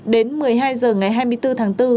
đến một mươi hai h ngày hai mươi bốn tháng bốn